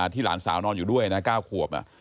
หลานสาวนอนอยู่ด้วยนะ๙ขวบ